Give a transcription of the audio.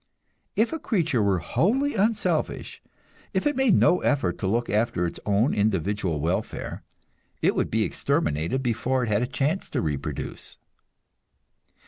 If a creature were wholly unselfish if it made no effort to look after its own individual welfare it would be exterminated before it had a chance to reproduce.